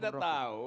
dari awal kita tahu